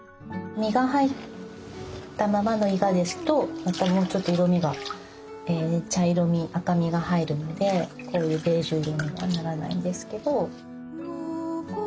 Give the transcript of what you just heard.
実が入ったままのイガですとまたもうちょっと色みが茶色み赤みが入るのでこういうベージュ色にはならないんですけど。